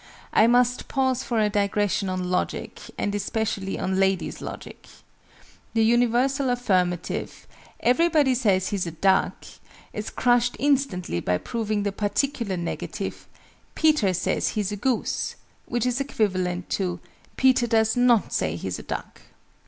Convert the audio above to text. (I must pause for a digression on Logic, and especially on Ladies' Logic. The universal affirmative "everybody says he's a duck" is crushed instantly by proving the particular negative "Peter says he's a goose," which is equivalent to "Peter does not say he's a duck."